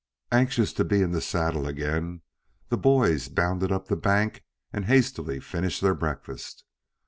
Anxious to be in the saddle again, the boys bounded up the bank and hastily finished their breakfast.